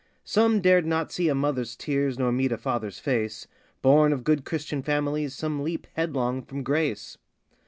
Some dared not see a mother's tears nor meet a father's face Born of good Christian families some leap, head long, from Grace.